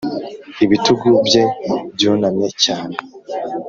ibitugu bye byunamye cyane